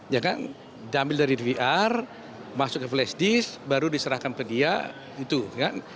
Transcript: ya kan diambil dari dvr masuk ke flash disk baru diserahkan ke dia itu kan